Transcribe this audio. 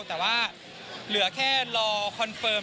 แต่ว่าเหลือแค่รอคอนเฟิร์ม